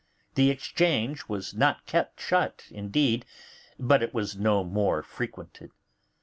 The Exchange was not kept shut, indeed, but it was no more frequented.